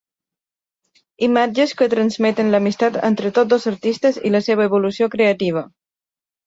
Imatges que transmeten l’amistat entre tots dos artistes i la seva evolució creativa.